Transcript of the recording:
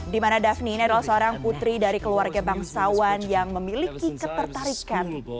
di mana daphne ini adalah seorang putri dari keluarga bangsawan yang memiliki ketertarikan